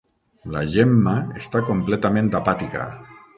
La Jemma està completament apàtica.